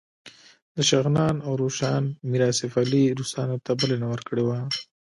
د شغنان او روشان میر آصف علي روسانو ته بلنه ورکړې وه.